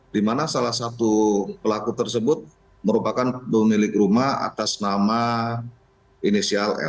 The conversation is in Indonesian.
di mana salah satu pelaku tersebut merupakan pemilik rumah atas nama inisial l